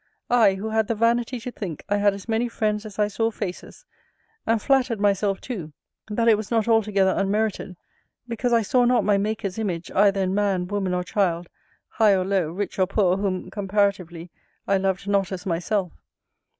I who had the vanity to think I had as many friends as I saw faces, and flattered myself too, that it was not altogether unmerited, because I saw not my Maker's image, either in man, woman, or child, high or low, rich or poor, whom, comparatively, I loved not as myself.